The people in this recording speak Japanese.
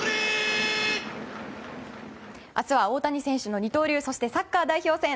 明日は大谷選手の二刀流そしてサッカー代表選。